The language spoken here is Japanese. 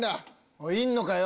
おいいんのかよ！